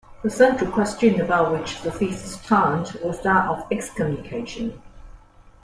The central question about which the "Theses" turned was that of excommunication.